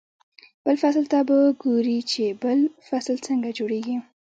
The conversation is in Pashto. بل فصل ته به ګوري چې بل فصل څنګه جوړېږي.